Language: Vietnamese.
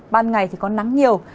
ban ngày có nắng nhiều